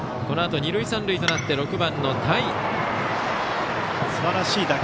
このあと二塁三塁となって６番の田井。